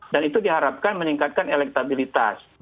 dan itu diharapkan meningkatkan elektabilitas